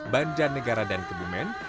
banjar negara dan kebumen